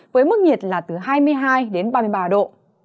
với mức nhiệt là từ hai mươi hai đến ba mươi ba độ